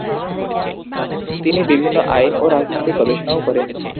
তিনি বিভিন্ন আইন ও রাজনৈতিক গবেষণাও করেন।